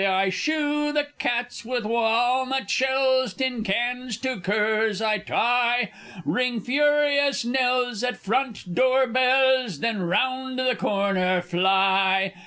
I shoe the cats with walnut shells; Tin cans to curs I tie; Ring furious knells at front door bells Then round the corner fly!